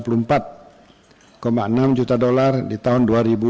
rp empat ratus sembilan puluh empat enam juta di tahun dua ribu dua puluh empat